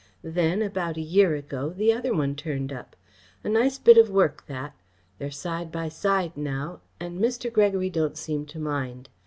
Then, about a year ago, the other one turned up. A nice bit of work, that. They're side by side now, and Mr. Gregory don't seem to mind.